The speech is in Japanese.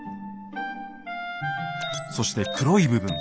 そして黒い部分。